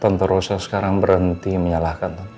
tante roso sekarang berhenti menyalahkan tante roso